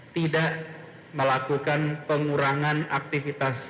tidak melakukan pengurangan aktivitas